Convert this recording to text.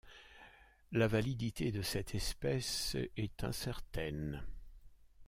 La validité de cette espèce est incertaine.